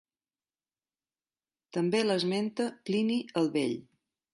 També l'esmenta Plini el Vell.